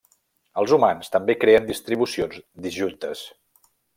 Els humans també creen distribucions disjuntes.